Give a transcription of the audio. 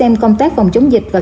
mình không có là